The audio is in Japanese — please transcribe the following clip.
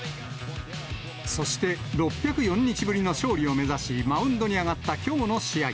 そして、６０４日ぶりの勝利を目指し、マウンドに上がったきょうの試合。